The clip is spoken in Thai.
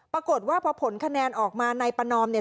ปรากฏว่าพอผลคะแนนออกมานายประนอมเนี่ย